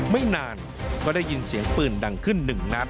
ไม่นานก็ได้ยินเสียงปืนดังขึ้นหนึ่งนัด